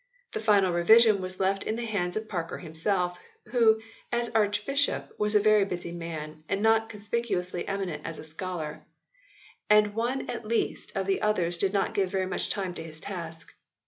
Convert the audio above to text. The final revision was left in the hands of Parker himself, who, as Archbishop, was a very busy man, and not con spicuously eminent as a scholar ; and one at least of v] THREE RIVAL VERSIONS 89 the others did not give very much time to his task.